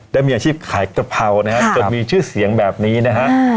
ได้มีอาชีพขายกะเพรานะฮะจนมีชื่อเสียงแบบนี้นะฮะ